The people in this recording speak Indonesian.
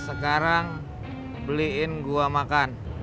sekarang beliin gue makan